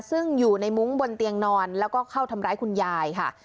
ซึ่งอยู่ในมุ้งบนเตียงนอนแล้วก็เข้าทำร้ายคุณยายค่ะ